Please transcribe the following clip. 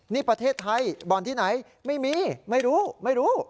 นี่ประเทศไทยบ่อนที่ไหนไม่มีไม่รู้ไม่รู้